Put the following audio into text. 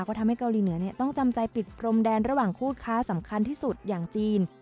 ก็ทำให้เกาหลีเหนือต้องจำใจปิดพรมแดนระหว่างคู่ค้าสำคัญที่สุดอย่างจีน